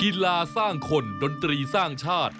ลาสร้างคนดนตรีสร้างชาติ